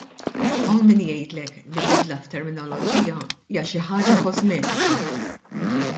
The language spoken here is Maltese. Hawn min jgħidlek li bidla f'terminoloġija hija xi ħaġa kosmetika.